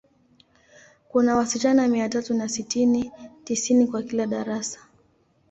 Kuna wasichana mia tatu na sitini, tisini kwa kila darasa.